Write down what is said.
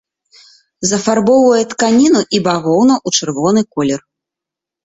Зафарбоўвае тканіну і бавоўна ў чырвоны колер.